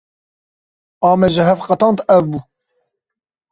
A me ji hev qetand ew bû.